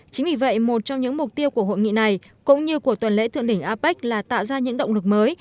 chính vì vậy một trong những mục tiêu của hội nghị này cũng như của tuần lễ thượng đỉnh apec là tạo ra những động lực mới